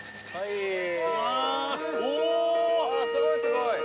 すごいすごい。